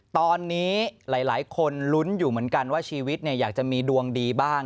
ตอนนี้หลายคนลุ้นอยู่เหมือนกันว่าชีวิตอยากจะมีดวงดีบ้าง